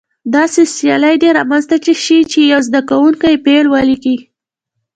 داسې سیالي دې رامنځته شي چې یو زده کوونکی فعل ولیکي.